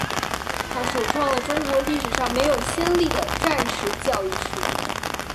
它首创了中国历史上没有先例的战时教育事业。